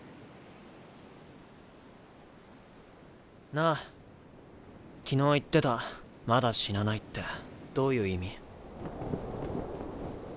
なあ昨日言ってた「まだ死なない」ってどういう意味？